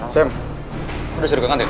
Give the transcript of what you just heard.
sam lo udah suruh ke kantin